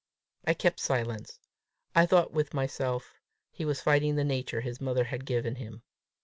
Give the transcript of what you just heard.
I kept silence. I thought with myself he was fighting the nature his mother had given him.